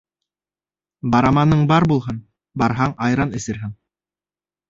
Бараманың бар булһын, барһаң, айран эсерһең.